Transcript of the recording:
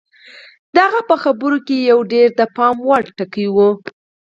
د هغه په خبرو کې یو ډېر د پام وړ ټکی و